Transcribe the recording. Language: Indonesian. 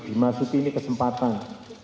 dimasuki ini kesempatan